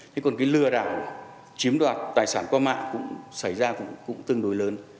thế còn cái lừa đảo chiếm đoạt tài sản qua mạng cũng xảy ra cũng tương đối lớn